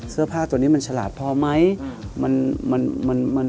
เสื้อผ้าตัวนี้มันฉลาดพอไหม